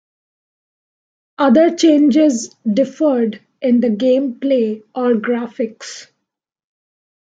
Other changes differed in the gameplay or graphics.